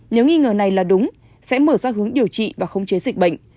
nếu nghi ngờ này là đúng sẽ mở ra hướng điều trị và khống chế dịch bệnh